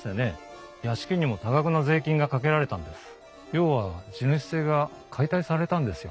要は地主制が解体されたんですよ。